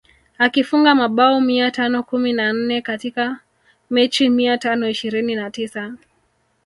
Akifunga mabao mia tano kumi na nne katika mechi mia tano ishirini na tisa